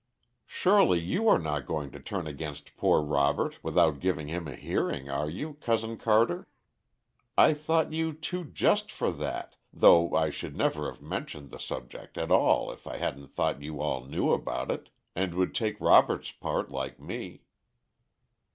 "Surely you are not going to turn against poor Robert without giving him a hearing, are you, Cousin Carter? I thought you too just for that, though I should never have mentioned the subject at all if I hadn't thought you all knew about it, and would take Robert's part like me."